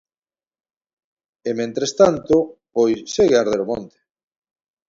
E, mentres tanto, pois segue a arder o monte.